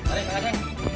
tari kakak ceng